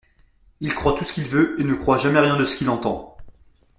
Il croit tout ce qu'il veut et ne croit jamais rien de ce qu'il entend.